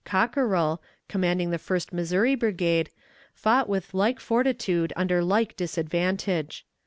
Cockerell, commanding the First Missouri Brigade, fought with like fortitude under like disadvantage.